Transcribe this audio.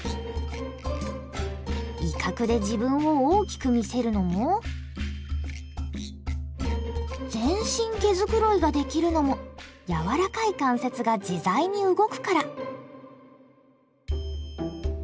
威嚇で自分を大きく見せるのも全身毛繕いができるのも柔らかい関節が自在に動くから。